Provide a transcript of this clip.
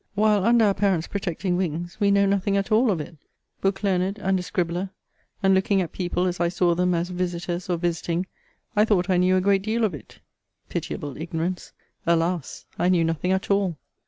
While under our parents' protecting wings, we know nothing at all of it. Book learned and a scribbler, and looking at people as I saw them as visiters or visiting, I thought I knew a great deal of it. Pitiable ignorance! Alas! I knew nothing at all!